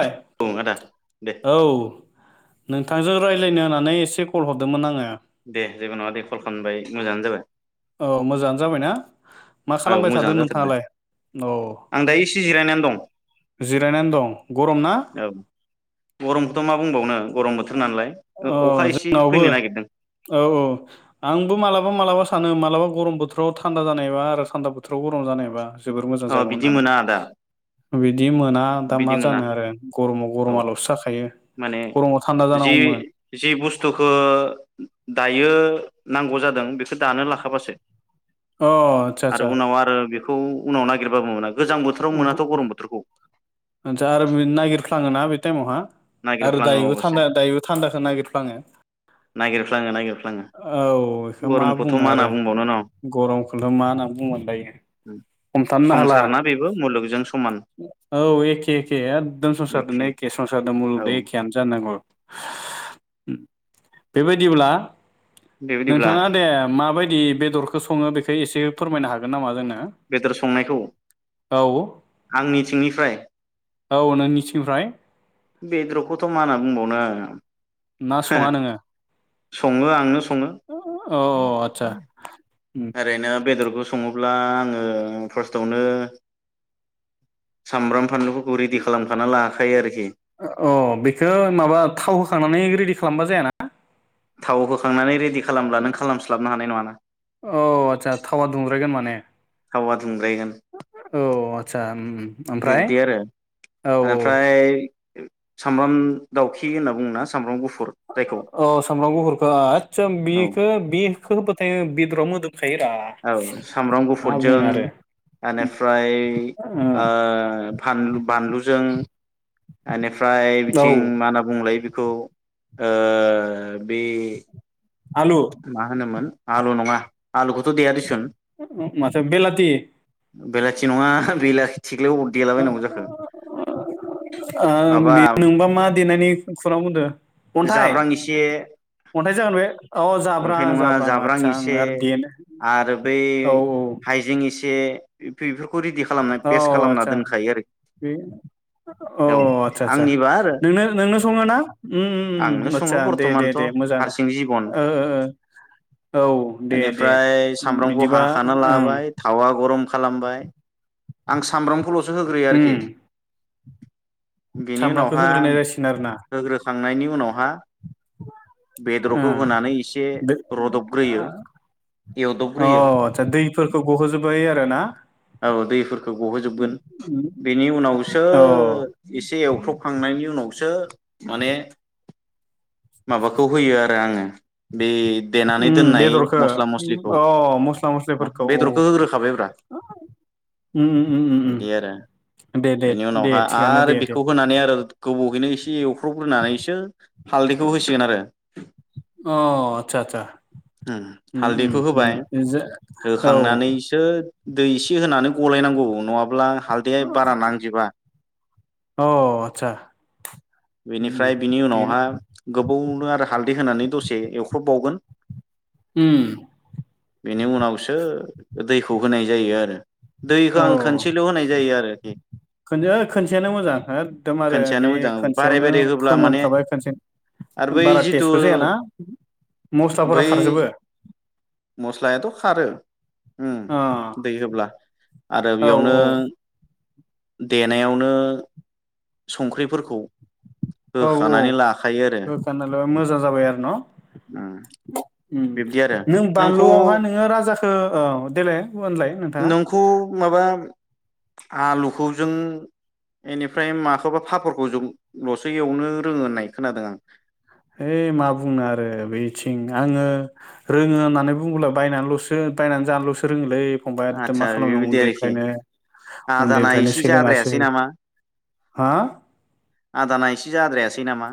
औ दे नों नोंजों रायज्लायनो होननानै एसे कल हरदोंमोन आङो। दे जेबो नङा दे कल खालामबाय मोजाङानो जाबाय। औ मोजाङानो जाबायना मा औ खालामबाय थादों मोजाङानो जाथारदों नोंथाङालाय? औ आं दायो एसे जिरायनानै दं जिरायनानै दं गरम ना औ गरमखौथ' मा बुंबावनो गरम बोथोर नालाय औ अखा एसे जोंनावबो फैनो नागिरदों। आङो मालाबा गरम बोथोराव थान्दा जानायबा आरो थान्दा बोथोराव गरम जानायबा जोबोर मोजां अ जागौ बिदि होननानै मोना आदा बिदि मोना दा मा ना जानो आरो गरमाव औ गरमाल'सो जाखायो माने गरमाव थान्दा जानांगौमोन जि जि बुस्थुखो दायो नांगौ जादों बेखौ दानो लाखाबासो अ आदसा आरो आदसा उनाव आरो बेखौ नागिरबाबो मोना गोजां बोथोराव मोनाथ' गरम बोथोरखौ आतसा आरो नागिरफ्लाङोना बे टाइमावहा। आरो नागिरफ्लाङो दायोबो अबसे थान्दा दायोबो थान्दाखो नागिरफ्लाङो। नागिरफ्लाङो नागिरफ्लाङो औ इखौ मा गरमखौथ' बुंनो होनना आरो बुंबावनो न गरमखौथ' मा होनना बुंनो दायो हमथानो हाला। संसार ना बेबो मुलुगजों समान औ एखे एखे एकदम संसारदोनो एखे संसारजों औ मुलुगदो एखेयानो जानांग' औ उम बेबायदिब्ला बेबायदिब्ला नोंथाङा दे माबायदि बेदरखौ सङो बेखौ एसे फोरमायनो हागोन नामा जोंनो? बेदर संनायखौ औ आंनिथिंनि। फ्राय औ नोंनिथिंनिफ्राय बेदरखौथ' मा होनना बुंबावनो। ना सङा [unintelligible] नोङो [unintelligible] सङो आंनो सङो। औ आदसा ओरैनो। बेदरखौ सङोब्ला आङो [unintelligible] सामब्राम। फानलुफोरखौ रेडि खालामखाना लाखायो आरोखि अ बेखौ माबा थाव होखांनानै रेडि खालामबा जायाना? थाव होखांनानै रेडि खालामब्ला नों खालामस्लाबनो हानाय नङा ना। अ आदसा थावा दुंद्रायगोन माने। थावा दुंग्रायगोन औ आदसा ओमफ्राय बिरदि आरो औ औ आनिफ्राय सामब्राम दाउखि होनना बुङोना सामब्राम गुफुर। जायखौ औ सामब्राम गुफुरखौ आतसा औ बिखौ बि [unintelligible] बेदराव मो औ सामब्राम गुफुरजों बुंनो आरो एनिफ्राय ओ फानलु बानलुजों ओनि फ्राय ओ औ बिथिं मा होनना बुंलाय बि खौ ओ बे आलु मा हानो मोन। आलु नङा। आलुखौथ' देया दिसुन माथ' बेलाथि। बेलाटि नङा बेला माबा [unintelligible] नोंबा मा देनायनि खुरां बुंदों अन्थाइ जाब्रां एसे अन्थाइ जागोन बे औ जाब्रां अन्थाइ नङा जाब्रां आदसा आं एसे आरो देनो आरो बै औ हाइजें एसे ए फिफौ औ आचसा बे अ औ आचसा आचा आंनिबा आरो नों नोंनो सङो ना उम आंनो उम आदसा दे दे दे मोजाङानो। ओ ओ ओ औ दे दे एनिफ्राय सामब्रामखौ बिदिबा हाखाना ओं लाबाय थावा गरम खालामबाय आं सामब्रामखौल'। होग्रोयो उम आरोखि। बेनि सामब्रामखौ उनावहा होग्रोनाय जासिगोन आरो ना होग्रोखांनायनि उनावहा ओ बेदरखौ। होनानै एसे दो रदबग्रोयो अ एवदबग्रोयो आदसा दैफोरखौ गहोजोब्बाय आरो ना औ दैफोरखौ गहोजोबगोन बेनि उनावसो औ एसे एवफ्र्रबखांनायनि उनाव सो माने माबाखौ होयो आरो आङो बे देनानै उम दोननाय बेदरखो मस्ला मस्लिखौ अ मस्ला मस्लिफोरखौ औ बेदरखौ होग्रोखाबायब्रा उम उम बिदि आरो उम दे दे बेनि दे उनावहा थिगानो आरो दे दे बेखौ होनानै आरो गोबावहैनो एसे एवफ्र्रबग्रोनानैसो हालदैखौ होसिगोन आरो अ आचसा आचसा उम हालदैखौ होबाय उम ज औ होखांनानैसो दै एसे होनानै गलायनांगौ नङाब्ला हालदैया बारा औ नांजोबा अ आतसा उम उम बिनिफ्राय बिनि बे उनावहा गोबावनो आरो हा दै होनानै दसे एवख्रबबावगोन उम बेनि उनावसो दैखौ होनाय जायो आरो दैखौ औ आं खनसेल' होनाय जायो आरोखि खो ओइ खनसेयानो मोजां एखदम आरो खनसेयानो बे मोजां बारे खनसेयावनो बारे होब्ला माने फोमोनखाबाय खनसे आरो बै बारा जिथु टेस्टबो जायाना बै मस्लाफोरा खारजोबो मस्लायाथ' खारो ओम अ दै होब्ला आरो औ बेयावनो देनायावनो संख्रिफोरखौ औ औ होखानानै लाखायो आरो होखारनालाबा मोजां जाबाय आरो न उम ओम बिब्दि आरो नों नोंखौ बानलुआवहाय नोङो राजाखौ औ देलाय होनलाय नोंथाङा नोंखौ माबा आलुखौ जों इनिफ्राय माखौबा पापरखौ जल'सो एवनो रोङो होननाय खोनादों आं है मा बुंनो आरो बेथिं आङो रोङो होननानै बुङोबला बायनानैल'सो बायनानै जानल'सो रोङोलै फंबाय एकदम मा आदसा खालामनो बेबायदि आरोखि उन्दैनिफ्रायनो आदाना उन्दैनिफ्रायनो एसे सोलोङासै जाद्रायासै नामा? हा आदाना एसे जाद्रायासै सैनामा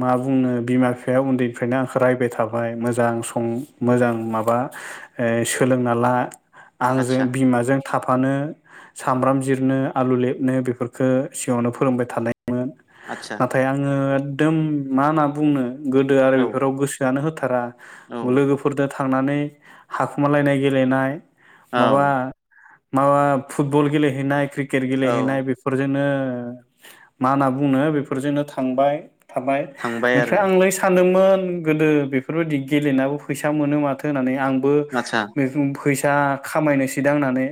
मा बुंनो बिमा बिफाया उन्दैनिफ्रायनो आंखौ रायबाय थाबाय मोजां सं मोजां माबा ओ सोलोंना ला आंजों आदसा बिमाजों थाफानो सामब्राम जिर नो आलु लेबनो बेफोरखौ सिगाङावनो फोरोंबाय थानाय मोन आदसा नाथाय आङो एकदम मा मा बुंनो गोदो आरो औ बेफोराव गोसोआनो होथा रा औ लोगोफरदो थ थांनानै हाखुमालायनाय गेलेनाय माबा औ माबा फुटबल गेलेहैनाय क्रिक केट औ गेलेहैनाय बेफोरजोंनो मा होनना बुंनो बेफोरजोंनो थांबाय। थाबाय थांबाय ओमफ्राय आरो आंलै सानदोंमोन मोन गोदो बेफोरबायदि गेलेनायाबो फैसा मोनो माथो होननानै आं बो आदसा [unintelligible] फैसा खामायनोसै दांहोन्नानै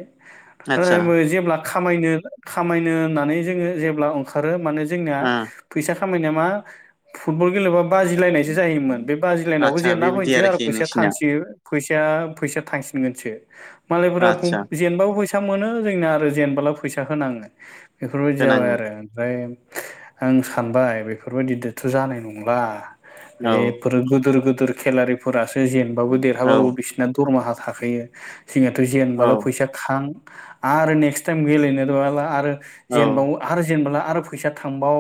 आदसा जेब्ला खामायनो-खामायनो होननानै जोङो जेब्ला ओंखारो माने जोंना ओ फैसा खामायना मा फुटबल गेलबा बाजिलायनायसो जायोमोन बे बाजिलायनायावबो आदसा जेनना बेबायदि फैनोसै आरो आरोखि फैसाया नोंसिना थांसैयो। फैसाया फैसाया थांसिनगोनसो। मालायफोरा आदसा जेनबाबो फैसा फैसा मोनो जोंना आरो जेनबोला फैसा होनाङो। बेफोरबायदि जाबाय होनाङो आरो ओमफ्राय आं सानबाय बेख बेफोरबायदिदोथ' जानाय नंला औ बे [unintelligible] खेलारिफोरा जेनबाबो देरहाबो औ बिसिरना दरमाहा थाखोयो। जोंहाथ' जेनबाल' औ फैसा खां आरो नेक्स्ट टाइम गेलेनो रवाला आरो औ जेनबावो आरो जेनबाला आरो फैसा थांबाव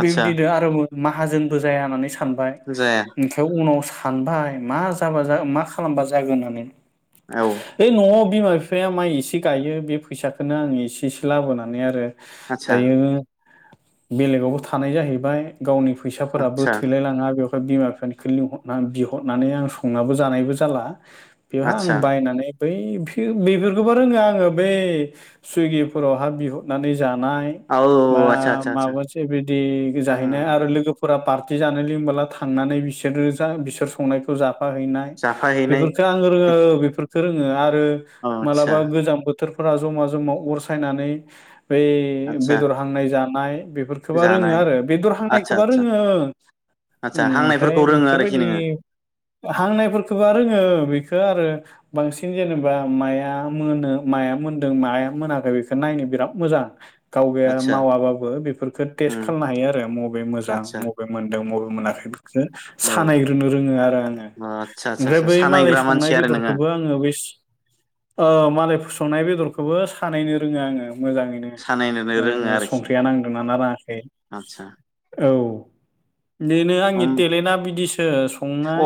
आतसा आरोबाव माहाजोनबो जाया होननानै सा सानबाय जाया ओमफाय उनाव सा सानबाय मा जाबा जा मा खालामबा जागोन होननानै। औ ओइ न'आव बिमा बिफाया माइ एसे गायो बे फैसाखोनो आं एसे एसे लाबोनानै आरो आतसा दायो बेलेगावबोथ थानाय जाहैबाय गावनि फैसाफोराबो आतसा थैलायलांङा बेयाव बिमा बिफानिखो लिंहदना बिहदनानै आं संनाबो जानायबो जाला। बेवहा आं आतसा बायनानै बै फि बेफोरखौबा रोंङो आंङो बै सुइगिफोरावहा बिहरनानै जानाय औ बा आतसा आतसा आतसा माबा [unintelligible] जाहैनाय उम आरो लोगो फोरा पार्टि जानो लिंबाला थांनानै बिसोरो जा बिसोर संनायखौ जा हैनाय जाफाहैनाय बेफोरखो आं रोंङो बेफोर रोंङो आर ओ औ आतसा मालाबा गोजाम बो बोथोरफोरा जमा जमा अर सायनानै बै आतसा बेदर हांनाय जा [unintelligible] खोबा रोंङो जानाय आरो बेदर आतसा हांनायखोबा आतसा रोंङो आतसा ओं ओमफ्राय हांनायफोरखौ रोङो आरोखि बेफोरबायदि नोङो हांनायफोरखोबा रोंङो बे खो आरो बांसिन जेनेबा माया मोनो माया मोनदों माया मोनाखै बेखौ नायनो बिराद मोजां। गावगाया आतसा मावाबाबो बेफोरखोथ उम टेस्ट खालामनो हायो आरो मबे मोजां आतसा मबे मोनदों मबे मोनाखै बेखौ औ सानायग्रोनो रोंङो आरो आंङो आतसा आतसा ओमफ्राय आतसा बै मालाय सानायग्रा मानसि संनाय आरो नोङो बेदरखौबो आंङो बैस ओ मालायफोर सं नाय बेदरखौबो सानायनो रोंङो आंङो। मोजांङैनो सानायनोनो रोङो ओम आरोखि संख्रिया नांदों ना नाङा आतसा औ बिदिनो आंनि उम टेलेन्टआ बिदिसो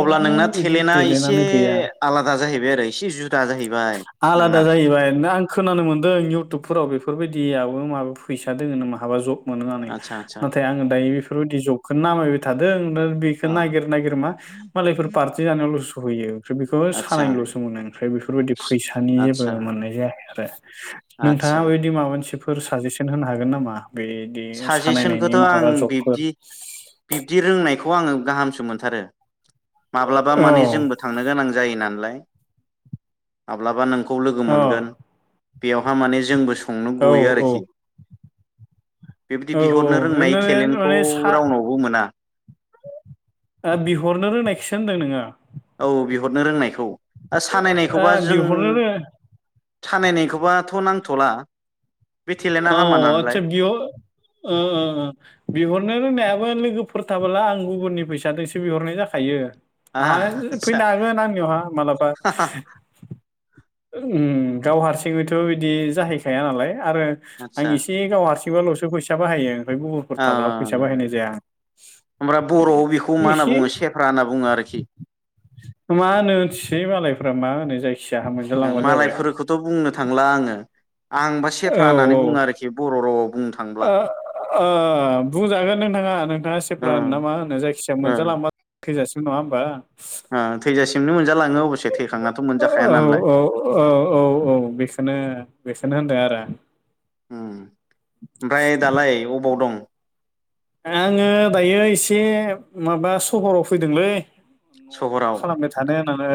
अब्ला नोंना बिदि टेलेन्टआ एसे टेलेन्टनो गैया आलादा जाहैबाय आरो एसे जुदा जाहैबाय आलादा नोंना जाहैबाय आं खोनानो मोनदों फोराव बेफोरबायदियाबो माबा फैसा दोंङो नामा माबा जब मोनो आतसा आतसा नाथाय आंङो दायो बेफोरबायदि जबखौनो नामायबाय थादों बेखौ नागिर नागिर मा अ मालायफोर फारथि जानायावल होयो ओमफ्राय बेखौ आतसा सानायनिलसो मोनो ओमफ्राय बेफोरबायदि फैसानि जेबो आतसा मोननाय जायाखै आरो नोंथाङा आतसा बेबादि माबा मोनसे फोर साजेसन होनो हागोन नामा? बिदि कुयसन खौथ' आं बिब्दि रोंनायखौ आङो गाहामसो मोनथारो। माब्लाबा माने औ जोंबो थांनो गोनां जायो नालाय। माब्लाबा नों खौ लोगो अ मोनगोन। बेयावहा माने जोंबो संनो औ गयो औ। आरोखि बेबायदि औ औ बिहरनो रोंनाय टेलेन्टखौ माने सा रावनावबो मोना बिहरनो रोंनाय खोसो होनदों नोङो। औ। बिहरनो रोंनायखौ ओ सानायनायखौबा जों बिहरनो रो खाननायखौबाथ' नांथ'ला बे टेलेन्टआ औ हामा आदसा नालाय बियो ओ ओ बिहरनो रोंनायाबो लोगो फोर थाबोला आं गुबुननि फैसाजोंसो बिहरनाय जाखायो। हा आतसा फैनो हागोन आंनियावहा माबलाबा उम गाव हारसिङैथ' बिदि जाहैखाया नालाय। आरो आं आतसा एसे गाव हारसिं थबाल'सो फैसा बाहायो। ओमफ्राय गुबुनफोर थाब्ला फैसा बाहायनाय जाया होमब्ला बर'आव बेखौ मा होनना एसे बुङो सेफ्रा होनना बुङो आरोखि मा होनो होनथिसै मालाय। फ्राय मा होनै जायखिया हाम मा लायफोरखौथ बुंनो थांला आङो। आं बा औ सेफ्रा होननानै बुङो औ आरोखि बर' रावआव ओ ओ बुंजागोन नोंथाङा नोंथाङा ओ सेफ्रा होनो ना मा होनो जायखिजाया ओ मोनजालांबा थैजासिम होन हामबा। ओ थैजासिमनो मोनजालाङो अबसे थैखांनाथ' औ मोनजाखाया नालाय औ औ औ औ बेखोनो बेखोनो होन दे आरो। उम। ओमफ्राय दालाय अबाव दं? आङो दायो एसे माबा सहराव फैदोंलै। न'आवबो मा सहराव खालामबाय थानो होननानै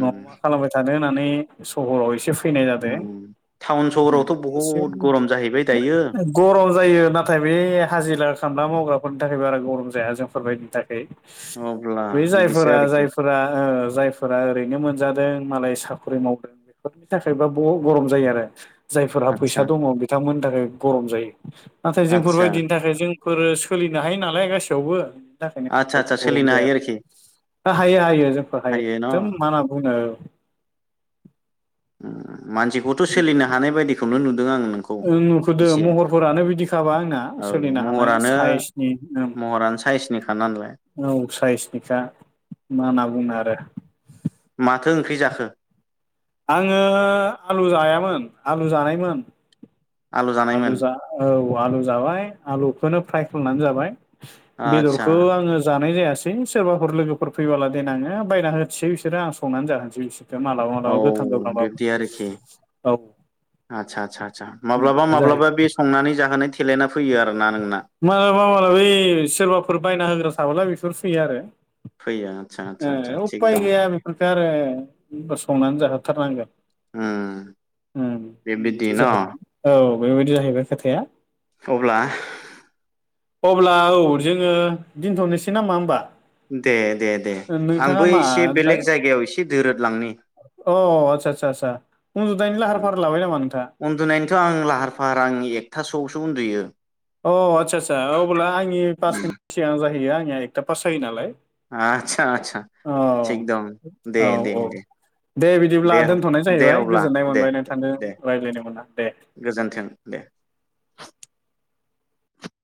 न'आव मा खालामबाय थानो होननानै सहराव एसे फै फैनाय जादों उम टाउन सहरावथ' एसे बहुद गरम जाहैबाय दायो गरम जायो नाथाय बे हाजिर खामला मावग्राफोरनि थाखाय बारा गरम जाया जोंफोरबायदिनि थाखै अब्ला बे बिदिसो जायफोरा आरोखि जायफोरा ओ जायफोरा ओरैनो मोनजादों मालाय साखरि मावदों बेफोरनि थाखायबा ब गरम जायो आरो जायफोरहा आदसा फैसा दङ बिथांमोन थाखाय गरम जायो नाथाय आदसा जोंफोरबायदि जोंफोर सोलिनो हायो नालाय गासैयावबो बेनि थाखायनो आदसा बाराब आदसा गरम सोलिनो हायो आरोखि जाया हायो हायो जोंखो हायो एखदम मा होना बुङो मानसिखौथ' सोलिनो हानाय बायदिखौनो नु ओं नुखोदो महरफोरानो बिदिखाबा आंना औ सोलिनो हानाय महरानो साइसनि महरानो साइसनिखा नालाय औ साइसनिखा मा होनना बुंनो आरो माथो ओंख्रि जाखो आङो आलु जायामोन आलु जानायमोन आलु जानायमोन आलुजा औ आलु जाबाय आलुखोनो फ्राय खालनानै जाबाय आदसा बेदरखौ आङो जानाय जाया सै सोरबाफोर लोगोफोर फैबोला देनाङो बायना होदसै बिसोरो आं संनानै जाहोनोसै बिसोर मालाबा औ मालाबा गोथां गोब्रांबाबो बिब्दि आरोखि औ सा माब्लाबा बिदि माब्लाबा जाहैबाय बे संनानै जाहोनाय खेलेना फैयो आर' मालाबा मालेबि सोरबाफोर बायना होग्रा थाब्ला बिफोर फैयो आरो फैया ओ उफाय गैया बेफोरखौ आरो संनानै जाहोथारनांगोन उम ओम बेबायदि न औ बेबायदि जाहैबाय खोथाया अब्ला अब्ला औ जोङो दोनथ'नोसै नामा होमबा दे दे दे नोंथाङा आंबो मा एसे दा बेलेग जायगायाव एस दोरोदलांनि अ आत्चा आत्चा आत्चा उन्दुनायनि लाहार फाहार लाबाय नामा नोंथाङा? उन्दुनायनोथ' आं लाहार फाहार आं एकथासोआवसो उन्दुयो अ आदसा आदसा अबोला आंनि पास मिनिट सिगां जाहैयो आं निया एथा पास जायो नालाय आचसा आचसा औ थिग दं दे औ दे औ दे दे बिदिब्ला अ दोनथ'नाय दे जाहैबाय अब्ला गोजोननाय दे मोनबाय दे नोंथांजों दे रायज्लायनो मोना दे गोजोन्थों दे